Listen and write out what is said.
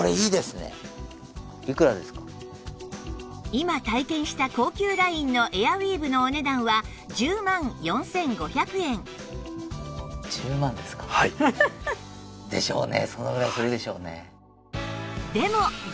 今体験した高級ラインのエアウィーヴのお値段は１０万４５００円でしょうね。